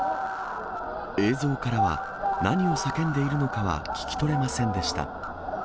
映像からは、何を叫んでいるのかは聞きとれませんでした。